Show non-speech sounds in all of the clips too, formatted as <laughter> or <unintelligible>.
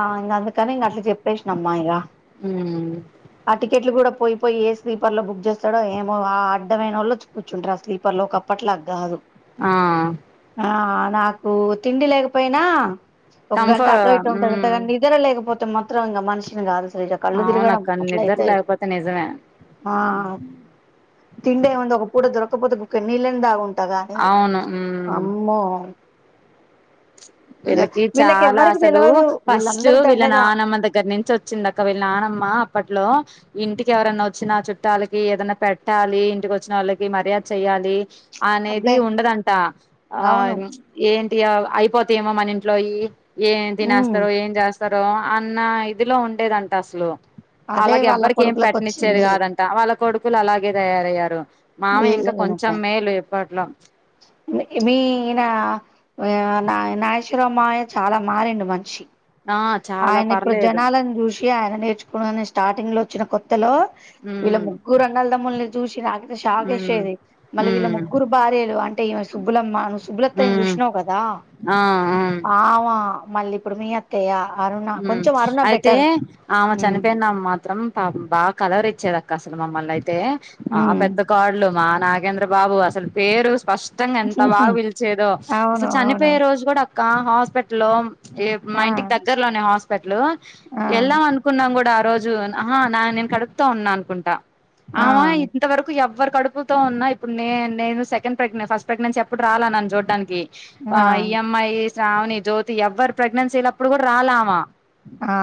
ఆ ఇంక అందుకని ఇంక అట్లా చెప్పేసినమ్మా ఇక ఉమ్ ఆ టికెట్లు కూడా పోయి పోయి ఏ స్లీపర్ లో బుక్ చేస్తాడో ఏమో ఆ అడ్డమైన వాళ్లొచ్చి కూర్చుంటారు ఆ స్లీపర్ లో ఒకప్పట్లా కాదు ఆ ఆ నాకు తిండి లేకపోయినా ఒక గంట కంఫర్ అటో ఇ ఉమ్ ఉంటదుంటది అండి నిదర లేకపోతే మాత్రం మనిషిని కాదు కళ్ళు తిరగడం అవునక్క అట్ల నిద్ర అయితాయి లేకపోతే నిజమే ఆ తిండేముంది ఒక కూడ దొరక్కపొతే బుక్కెడ్ నీళ్లయినాదాగున్ తగాదె అవును ఉమ్ అమ్మో ఇంగ వీళ్ళకి చాలా ఎవ్వరికి అసలు తెలవదు ఫస్ట్ వీళ్ళందరూ వీళ్ళ దండగా నానమ్మ దగ్గర నుంచి వచ్చింది అక్క వీళ్ళ నానమ్మ అప్పట్లో ఇంటికి ఎవరన్నా వచ్చిన చుట్టాలకి ఏదన్నా పెట్టాలి ఇంటికి వచ్చిన వాళ్ళకి మర్యాద చెయాలి అనేది అబ్బే ఉండదంట ఆ అవును ఏంటి అయిపోంది ఏమో మన ఇంట్లోయి ఏం ఉమ్ తినేస్తారో ఏం జెస్తారో అన్న ఇదిలో ఉండేదంట అసలు అదే అలాగ వాళ్ళ ఎవ్వరికి ఏం కొడుకులకు పెట్టినిచ్చేది వచ్చింది కాదంట వాళ్ళ కొడుకులు అలాగే తయారయ్యారు మామ ఇంకా కొంచెం మేలు ఇప్పట్లో మీనా ఆ నా నాగశ్వరమావయ్య చాలా మారిండు మనిషి ఆ చాలా ఆయన ఇప్పుడు పర్లేదు జనాలను చూసి యాడ నేర్చుకున్నానే స్టార్టింగ్ లో వచ్చిన కొ ఇలో వీళ్ళ ఉమ్ ముగ్గురు అన్నదమ్ముల్ని చూసి నాకు ఉమ్ షాకేసేది మళ్ళీ వీళ్ళ ఉమ్ ముగ్గురు భార్యలు అంటే ఈమె సుబ్బులమ్మ అని సుబ్బులత్తయ్య ని ఉమ్ చూసినావు కదా ఆ ఆ ఆవా మళ్ళీ ఇప్పుడు మీ అత్తయ్య అరుణ ఉ కొంచెం అరుణ అయితే బెటర్ ఆమె ఉమ్ చనిపోయినమ మాత్రం కాదు బాగా కలవరిచ్చేది అక్క అసలు మమ్మల్ని అయితే ఆ ఉమ్ పెద్ద కోడలు మా నాగేంద్రబాబు అసలు పేరు స్పష్ట ఇష్టంగా ఎంత బాగా పిలిచేదో అవును అసలు అవును చనిపోయే రోజు కూడా క హాస్పిటల్ లో ఏ ఆ మైంంటికి త న హాస్పిటల్ లో ఆ ఎల్దాం అనుకున్నాం కూడా రోజు నా ఆహా నా నేను కడుపుతో ఉన్నా అనుకుంటా ఆ ఆమ ఇంతవరకు ఎవ్వరు కడుపుతో ఉన్న ఇప్పుడు నే నేను సెకండ్ ప్రెగ్నంట్ ఫస్ట్ ప్రెగ్నెన్స్ అప్పుడు రాలా నన్ను చూడ్డానికి ఆ ఈఎమ్ఐ శ్రావణి జ్యోతి ఎవ్వరు ప్రెగ్నెన్సీ ల ఇప్పుడు కూడా రాలా ఆమా ఆ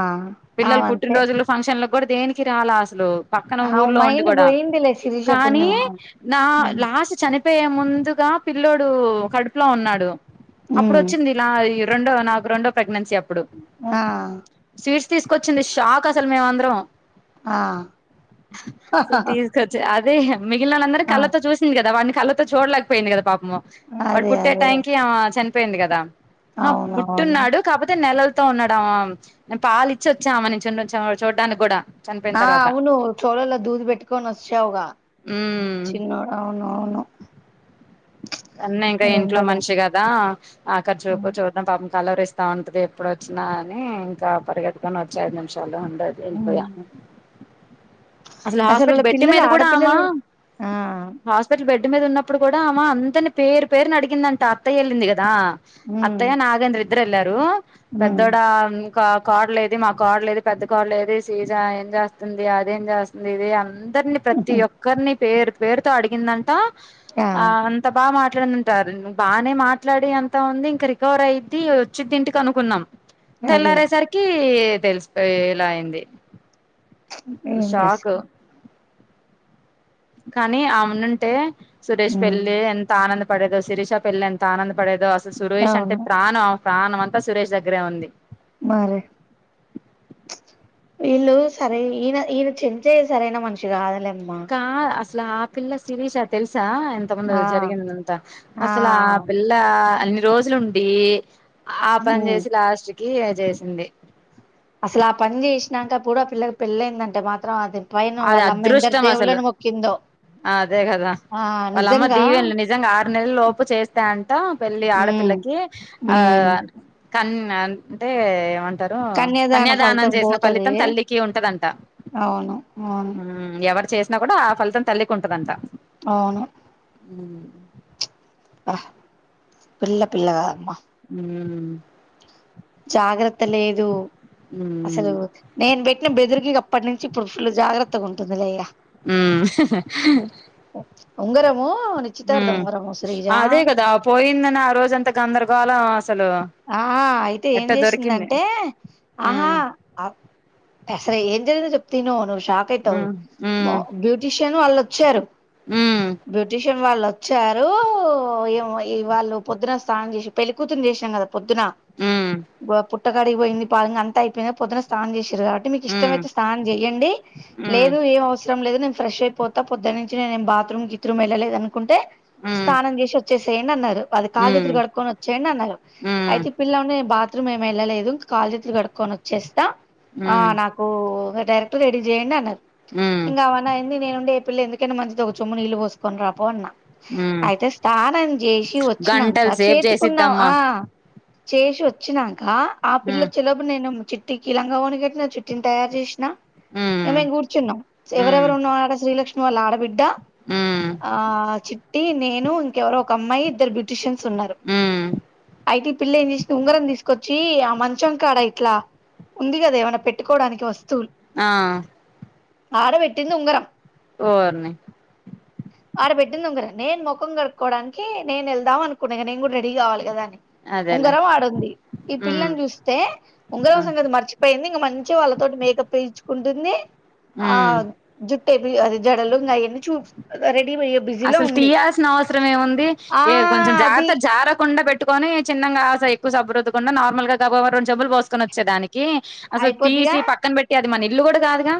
పిల్లలు ఆమంతే పుట్టినరోజులు ఫంక్షన్ లో కూడా దేనికి రాలా అసలు పక్కన ఆ ఊర్లో ఉండి మైండ్ కూడా పోయిందిలే శిరీష కానీ పుణ్యమా నా లాస్ట్ చని పోయే ముందుగా పిల్లోడు కడుపులో ఉన్నాడు అప్పుడు ఉమ్ వచ్చింది ఇలా ఈ రెండో నాకు రెండో ప్రెగ్నెన్సీ అప్ ఆ తీసుకొచ్చింది షాక్ అసలు మేమందరం ఆ రీ హ మిగిలినోలందరిని ఆ కళ్ళతో చూసింది కదా వాన్ని కళ్తో చూడలేకపోయింది కద పాప వా అదే పుట్టే అదే టైం కి అమె పేయింది కదా ఆ అవునవును పుట్టున్నాడు కాబట్ నెలలతో ఉండడం పాలు ఇచ్చి వచ్చా ఆమే నీ చూడ్డానికి కూడా చనిపోయిన ఆ తర్వాత అవును చోలలో దూది పెట్టుకొని వచ్చావ్గా ఉమ్ చినో అవును అవును అన్న ఇంకా ఇంట్లో ఎండల మనిషి కదా అక్కడ చూపు చూద్దాం పాపం కలవరిస్త ఉంటది ఎప్పుడు వచ్చినా అని ఇంకా పరిగెతుకోని వచ్చే ఐదు నిమిషాలు ఉ ఉమ్. అ అసలు వాళ్ళ హాస్పిటల్ బెడ్ పిల్లలు మీద కూడా ఆమా ఆడపిల్లలు ఆ హాస్పిటల్ బెడ్ మీద ఉన్నడు కూడా అమా అంతని పేరు పేరు అడిగిందంట అత్తయ్య వెళ్ళింది కదా ఉమ్ అత్తయ్య నాగేంద్ర ఇద్దరు ఎల్లారు ఉమ్ పెద్దోడ కార్ లేది మా కాడ లేదు పెద్ద కాడ లేదు సీజ ఏం చేస్తుంది అదేం చేస్తుంది ఇది అ అందరిని ప్రతి ఒక్కరిని పేరు పేరు అడిగిందంట ఆ అంతా బా మా మాట్లాడుంటారు బనే మాట్లాడే అంత ఉంది ఇంక రికవర్ అయిద్ది వచ్చిది ఇంటికి అనుకున్నాం అదే తెల్లారే సరికీ తెలిసిపోయేలా అయింది అసలు ఏం చేస్త షాక్ కానీ ఆమె ఉనుంటే సురేష్ ఉమ్ పెళ్లి ఎంత ఆనంద పడేదో శిరీష పెళ్లి ఎంత ఆనంద పడేదో సురేష్ అంటే అవును ప్రాణం ప్రాణం అంత సురేష్ దగ్ దగ్గరే ఉంది మరి వీళ్ళు సరే ఈయన ఈయన చెం చెయ్య సరైన మనిషి కాదులే కా ఆపిల్ల శిరీష తెలు సా ఎంత ముందు ఆ జరిగింద అంత అసలు ఆ పిల్ల అన్ని రోజులుండి ఆహ్ పని చేసి లాస్ట్ క <unintelligible> ఏ చేసింది. అసలు ఆ పని చేసినాక కూడా ఆ పిల్లకి పెళ్ళైయిందంటే మాత్రం అది పైన అది వాళ్ళమ్మ ఎందరు అదృష్టం అసలు దేవుళ్ళని మొక్కిందో అదే కదా ఆ వాళ్ళమ్మ నిజంగా దీవెనలు నిజంగా ఆరు నెలలు లోపు చేస్తే అంట పెళ్ళి ఉమ్ ఆడపిల్లకి ఉమ్ ఆహ్ కన్నా అంటే ఏమంట క ఏమంటారు కన్యాదాన కన్యాదానం ఫలితం చేసిన పోతది ఫలితం తల్లికి ఉంటదంట. అవును అవును ఆహ్ ఎవ చేసినా కూడా ఆ ఫలితం తల్లికి ఉంటదంటా. అవును ఉమ్ అబ్బా పిల్ల పిల్ల కదా అమ్మా ఉమ్ జాగ్రత్త లేదు అసలు నేను పెట్టిన బెదిరికి అప్పటి నుంచి ఇప్పుడు ఫుల్ జాగ్రత్తగా ఉంటుంది లెగ ఊ ఉంగర ఉ అదే కదా పోయిందని ఆ రోజంత గందరగోళం అసలు ఆహా అయితే ఎట్ట ఏం దొరికింది చేసిందంటే ఆహా ఉమ్ అసలు ఏం జరిగిందో చెప్ప తిను ను షాక్ అయితావ్ ఉమ్ మో ఉమ్ బ్యూటీ ను వాళ్ళుొచ్చారు. ఉమ్ బ్యూటిషర్ వాళ్ళు వచ్చారు ఏవో వాళ్ళు పొద్దున స్నానం చేసి పెళ్ళ కూతురుని చేసినాం కదా పొద్దునా పు పుట్టకాడికి పోయింది పాలు ఇగ అంత అయిపోయింది పొదున స్నాన చేసి కాబట్టి మీకు ఉమ్ ఇష్టంమయితే స్నానం చెయండి ఉమ్ లేదు ఏం అవసరం లేదు నేన్ ఫ్రెష్ అయిపోతా పొద్దునుచ్చి నేను ఏమి బాత్రూమ్ గిత్రూమ్ వెళ్ళలేదు అని కుంటే ఉమ్ స్నానం చేసి వచ్చేసి న్ అన్నారు అది కాళ్లు ఉమ్ చేతులు కడుకొని వచ్చేయండి అన్నారు. ఉమ్ అయితే పిల్లనే బా బాత్రూమ్ ఏమి వెళ్ళలేదు కాళ్ళు చేతులు కడుక్కొని వచ్చేస్త త ఉమ్ ఆహ్ నాకు డరెక్ట్ రెడ చేయండి అన్నారు ఉమ్ ఇంకా అవనా ఎంది నేను ఉండి పిల్ల ఎందుకైన మంచిది ఒక చమ్ము నీళ్ళు పోసుకని రాపో అన్నా ఉమ్ అయితే స్థానం చేసి గంటల వచ్చినాక సేపు చేతికున్న చేసిద్దమ్మా ఆ చేసి వచ్చినాక కా ఆ ఉమ్ పిల్లొచే లోపు నేను చిట్టికీ లంగావని కట్టిన చిట్టిని తయారు చేసిన ఉమ్ ఏమేం కూర్చున్నా ఉమ్ ఎవరెవరు ఉన్నారూ అడా శ్రీలక్ష్మి వాళ్ళ ఆడబిడ్డ ఉమ్ ఆ చిట్ టి నేను ఇంకెవరో ఒక అమ్మాయి ఇద్దరు బ్యూటీషియస్ సున్నారు ఉమ్ పిల్ల ఏం చేసింది ఉంగరం తీసుకొచ్చి ఆ మంచం కాడ ఇట్లా ఉంది కదా ఏమైనా పెట్టుకోవడానికి వస్తువులు ఆ ఆడబేట్టింది ఉంగరం ఓర్ని ఆర పెట్టిండుంగరం నేను ముఖం కడుక్కకోవడానికి నేను వెళ్దాం అనుకున్నా ఇగ నేను కూడా రెడీ కావాలి కదాని అదేలే ఉంగరం ఆడుంది ఈ ఉమ్ పిల్లని చూస్తే ఉంగరం ఉమ్ సంగతి మర్చిపోయింది ఇంక మంచిగా వాళ్ళతోటి మేకప్ వే ఉంటంది ఆ ఉమ్ జట్ అది జడలు ఇంగ ఆయనీ చూపు రె అసలు తీయాల్సిన అవసరం ఏముంది ఆ ఏ కొంచెం అది జాగ్రత్త జారకుండా పెట్ట టుకని చిన్నగా ఎకువ సబ్బు రుద్దుకుండా నార్మల్గ గబగబ రెండు చెంబులు పోసుకొనోచే దానికి కీ అసలు అయిపోద్దిగా తీసి పక్కన పెట్టి అది మనీ ఇల్లు గూడా కాదుగా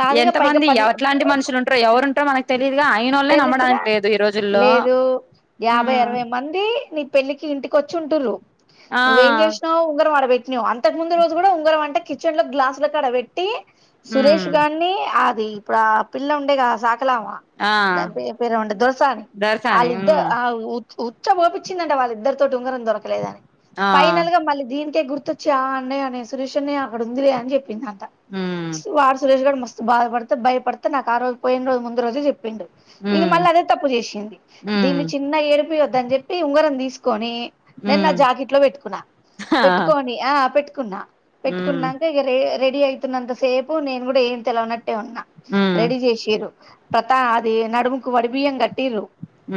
కాదుగా ఎంత పైగా మంది పది ఎవట్లాంటి మనుషులు ఉంటారో ఎవరు ఉంటారో మనకు తెలీయదుగా నేనొల్నే తెలియదుగా లేదు యాభై ఉమ్ అరవై మంది నీ పెళ్ళికి ఇంటికి వచ్చింటురూ ఆ నువ్వేం చేసినావ్ ఉంగర వాడబెట్టి ట్టినావ్ అంతకు ముందు రోజు కూడా ఉంగరం అంటే కిచెన్ లో గ్లాసుల కాడ పెట్టి సురష్ మ్మ్ గాన్నీ అది ఇప్పుడు ఆ పిల్ల ఉండే కద సాకలామా ఆ దాని పేరు ఉండే దొర్సాని దర్శని అలిద్దార్ మ్మ్ ఆ చ్చు చోపించిండి వాళ్ళిద్దరితో ఉంగరం దొరకలేదని ఆ ఫైనల్ గా మళ్ళీ దీనికి అకే గుర్తొచ్చి ఆ అన్నయ నేన్ సురేష్ అన్నయ అక్కడ ఉందిలే అని చెప్పింది మ్మ్ వ సురేష్గఢ మస్త్ బాధపడుతే భయపడుతే నాకు ఆ రోజు పోయిన రోజు ముందు రోజు విందు ఇది మ్మ్ మళ్ళీ అదే తప్పు చేసింది మ్మ్ దీన్ని చిన్న ఏడిపియవద్ద అని చెప్పి ఉంగరం తీసుకు కాన్ నేను నా మ్మ్ జాకెట్ లో పెట్టుకున్నా ఆ పెట్టుకొని ఆ పెట్టుకు కున్నా మ్మ్ పెట్టుకున్నాక ఇక రే రెడీ అవుతున్నంత సేపు నేను కూడా ఏం తెలినట్టు నే ఉన్నా మ్మ్ రెడీ చేసిరు ప అది నడుముకు వాడిబియ్యం కట్టిరు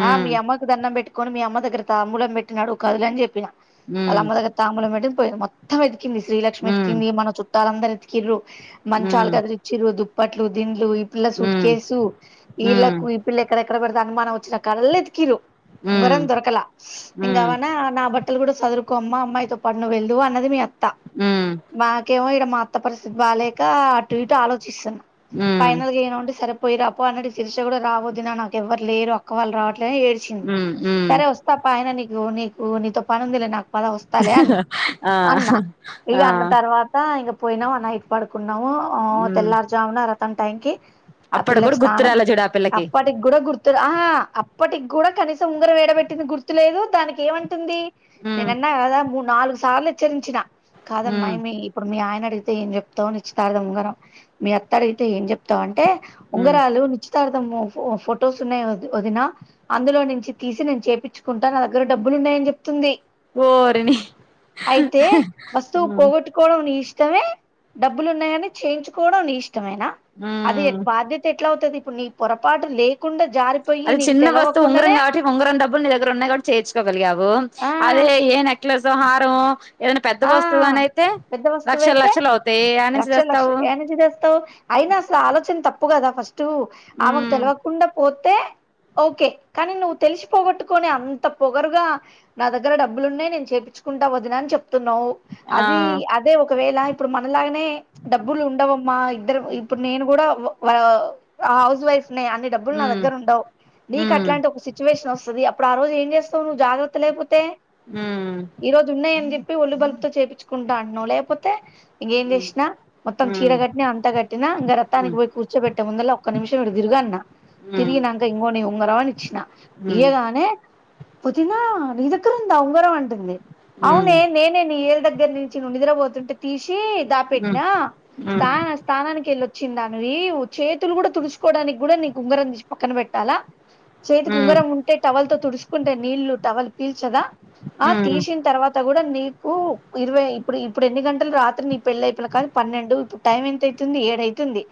ఆ మీ అమ్మాకు దండం పెట్ కొన్ని మీ అమ్మ దగ్గర తమ్ముబలామ్ పెట్టినాడు కదుల్ అని చెప్పిన వాళ్ళ మ్మ్ ముదగ తాములం మేట పోయి మొం తూ కింది శ్రీలక్ష్మి మ్మ్ ఎతికింది మన చు లందరుఎతికిర్రు మంచి మ్మ్ చాలుగ అ ఇచ్చిరుదు పట్లు దిండ్లు పల్ల మ్మ్ సూట్కేసు ఇళ్ళ మ్మ్ పిల్లి ఎక్కడెక్కడ అనుమానం వచ్చిన కళ్ళ ఎతి కిరు మ్మ్ మ్మ్ ఉంగరం దొరకలా ఇంగా మ్మ్ నా బట్ అలు కూడా చదువుకో అమ్మ అమ్మాయితో పడును వెళ్దువు అన్నది మీ బక మ్మ్ మాకేమో ఇడ మాఅత్త పరిస్థితిబాలే ఇంకా అటు ఇటు ఆలోచిస్తున్న మ్మ్ ఫైనల్ గా ఏం ఉంటే సరే పోయిరాపో అన్నడి శిర్చ కూడా రాబోద్ నాకు ఎవరు లేరు ఒక్క వాళ్ళ రావ ని ఏడ్చింది మ్మ్ మ్మ్ సరే వస్తా పా ఆయన నీకు నకు నతో పనంది నాకు పద వస్తలే అన్న ఆ అన్నా ఇక ఆ అన్న తర్వాత ఇ పోయినావ నైట్ పడుకు నాము ఆ తెల్లారుజామున తం టైంకి ఆ అప్పుడు కూడా పిల్లకి స్నానం గుత్తురాల చూడు పిల్లకి అప్పటికి గూడా గు గుర్తు ఆహా అప్పటికి కూడా కనీసం ఉంగరం యేడబెట్టింది గుర్తులేదు దానికి ఏమంటుంది మ్మ్ నేనన్నా గదా మూడ్ నాలుగు సార్లు హెచ్చరించిన మ్మ్ కాదమ్మాయ్ మీ ఇప్పుడు మీ ఆయన అయితే ఏం చెప్తావ్ నిశ్చితార్థం ఉంగరం మీ అత్త అడిగితే ఏం చెప్ తావ్ అంటే మ్మ్ ఉంగరాలు నిశ్చితార్థం ఫో ఫొటోస్ ఉన్నాయ వదినా అందులో నుంచి తీసి నేను చేపించుకుంటా నా దగ్గర డబ్బులు ఉన్నాయని చెప్ తుంది ఓరిని అయితే వస్తువు మ్మ్ పోగొట్టుకోవడం నీ ఇష్ ఇష్టమే డబ్బులు ఉన్నాయని చేయించుకోవడం నీ ఇష్ ఇష్టమేనా అది మ్మ్ బాధ్యత ఎట్లా అవుతుది నీ పొరపాటు లేకుండా అది నీకు చిన్న వస్తువు ఉంగరం తెలవకుండానే కాబట్టి ఉంగరం డబ్బులు నీ దగ్గర ఉన్నాయి కాటి చేర్చుకోగలిగావు ఆ అదే ఏ నెక్లేస్సో హారమొ ఆ పెద్ద వస్తువు లక్షలు అయితే లక్షలు అవుతాయి యాడ నుంచి లక్ష లక్ష తెస్తావు యాన్నించి తెస్తావు అయినా అసలు ఆలోచన తప్పు కదా ఫస్ స్ట్ ఆమెకు ఉమ్ తెలవకుండ పో తే ఓకే కానీ నువ్వు తెలిసి పోగొట్టుకొని అంత పొగరుగా నా దగ్గర డబ్బులు ఉన్నాయి నేను చేపిచ్చుకుంటా వదిన అని చెప్ తున్నావ్ ఆ అది అదే ఒ ఒకవేలా ఇప్పుడు మనలాగ నే డబ్బులు ఉండవమ్మా ఇద్దరు ఇప్పుడు నేను కూడా హౌస్ వైఫ్ న్నాయి అన్ని డబ్బులు నా ఉమ్ దగ్గర ఉండవు నీ ఉమ్ అలాంటి ఒక సిచువేషన్ వస్ అది అప్పుడు ఆ రోజు ఏం చేస్తావ్ జాగ్రత్త లేపోతే ఉమ్ ఈరోజు ఉన్నాయి అని ఒళ్ళు బలుపుతో చేపిచ్చుకుంటా అంటున్నావ్ లేకపోతే ఇంగేం చేసినా మొత్తం చీర ఉమ్ కట్టినా అంత కట్టినా ఇంకా రత్తానికి ఉమ్ పోయి కూర్చోబెట్టే ముందలా ఒక్క నిమిషం ఇటు తిరుగన్నా ఉమ్ తిరిగినాంకా ఇంగో ని ఉంగరం అని ఇచ్చిన ఉమ్ ఇయగానే వదిన నీ దగ్గర ఉందా ఉంగరం అంటుంది హ్మ్ ఏళ్ దగ్గర్నుంచి నువ్ నిదర వోతుంటే తీష్ సి ఉమ్ దాపెట్నా ఉమ్ స్తాన స్థానానికి వెళ్ల్ చ్చిందానివి చేతులు కూడా తుడుచుకోవడానికి గూడా నీకు ఉంగరం తీష్ పక్కన పెట్టాలా చేతికి ఉమ్ ఉమ్ ఉమ్ ఉమ్ ఉంగరం ఉంటే టవల్ తో తుడుసుకుంటే నీళ్ళు టవల్ పీల్చదా ఆ తీసిన తర్వాత కూడా నీ కు ఇరువై ఇప్పుడు ఇప్పుడు ఎన్ని గంటలు రాత్రి నీ పెళ్ళి అయిపోయినకాన్ పన్నెండు ఇప్పుడు టైం ఎంత అయితుంది ఏడైతుంది.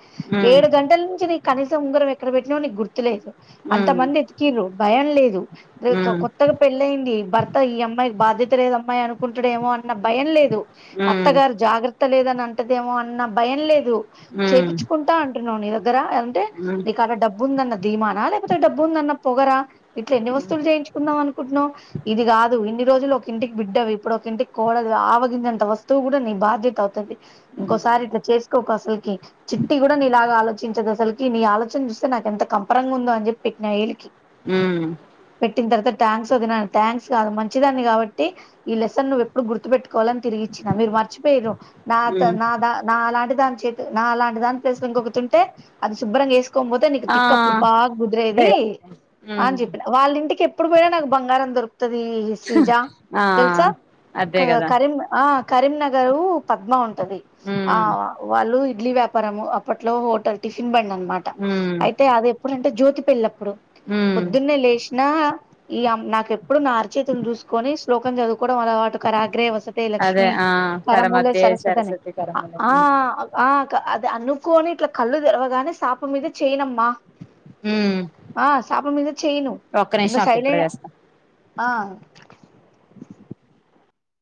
ఏడు గంటల నుంచి నీ కనీసం ఉంగరం ఎక్కడ పెట్టినవ్ నీకు గుర్తులేదు ఉమ్ అంత మంది ఉమ్ ఎతికిర్రు భయం లేదు దీకా కొత్తగా పెళ్లైంది భర్త ఈ అమ్మాయిది బాధ్యత లేదు అమ్మాయి అనుకు కుంటడేమో అన్న భయం లేదు ఉమ్ అత్తగారు జాగ్ర త్త లేదని అంటదేమో అన్న భయం లేదు ఉమ్ చేపిచ్చుకుంటా అంటున్నావు నీ దగ్గర అంటే నీ కాడ డబ్బు ఉందన్న ధీమానా లేకపోతే డబ్బు ఉందన్న పొగరా ఇట్లా ఎన్ని వస్తువులు చేయించుకుందాం అనుకుంటున్నాం ఇది కాదు ఇన్ని రోజులు ఇంటికి బిడ్డ వి ఇప్పుడు ఒక ఇంటికి కోడలివి ఆవగింజంత వస్తువు కూడా నీ బాధ్యత అవుతది ఇంకోసారి ఇట్లా చేసుకోకు అసలుకి చిట్టి కూడా నీలాగా ఆలోచించదు అసలు నీ ఆలోచన చూస్తే నాకు ఎంత కంపరంగా ఉందో అని జెప్పి పెట్టినా ఏలికి మ్మ్ పెట్టిన తర్వాత థ్యాంక్స్ వదిన థ్యాంక్స్ కాదు మంచిదాన్ని కాబట్టి ఈ లెస్సన్ నువ్వు ఎప్పుడు గుర్తు పెట్టుకోవాలని తిరిగిచ్చినా మీరు మర్చిపోయిర్రు నా త్త నాదా నాలాంటి దాన్ చైతు నాలాంటిదాన్ని ప్లేస్ లో ఇంకొకుతుంటే అది శుభ్రంగా ఏసు కోన్ పోతే నీకు ఆ తిక్క అప్పుడు బాగా కుదిరేది అంతేగా అని ఉమ్ జెప్పిన వాళ్ళ ఇంటికి ఇప్పుడు పోయినా నాకు బంగారం దొరు తది శ్రీజా ఆ తెల్సా క అదే కదా కరీం ఆ కరీంనగరు పద్మ ఉం టది ఆ ఉమ్ వాళ్ళు ఇ ఇడ్లీ వ్యాపారము అప్పట్లో హోటల్ టిఫిన్ బండుం మాట ఉమ్ అయితే అది ఎప్పుడంటే జ్యోతి పెళ్లప్పుడు ఉమ్ పొద్దున్నే లేశ్నా ఈ యమ్ నాకెప్పుడు నా అరిచేతులు చూసుకొని శ్లోకం చదుకోవడం అలవాటు కరాగ్రే వస్ శతే అదే లక్ష్మీ ఆ తర మూలే కరమధ్యే సరస్వతనే సరస్వతి అ కరములు ఆ ఉమ్ ఆ క అది అనుకోని ఇట్లా కళ్ళు తెరవగానే శాప మీద చేయనం అ ఉమ్, ఆ సాప మీద చేయను ఒక్క ఇంగ నిమిషం అక్క ఇప్పుడే సైలేన్ చేస్తా ఆ